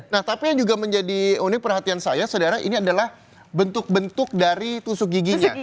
nah tapi yang juga menjadi unik perhatian saya saudara ini adalah bentuk bentuk dari tusuk giginya